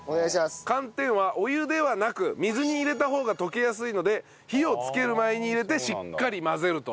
寒天はお湯ではなく水に入れた方が溶けやすいので火をつける前に入れてしっかり混ぜると。